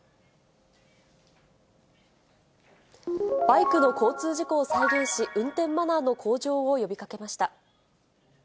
バイクの交通事故を再現し、運転マナーの向上を呼びかけました。